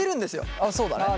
ああそうだね。